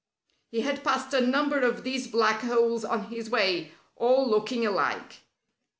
He had passed a number of these black holes on his way, all looking alike.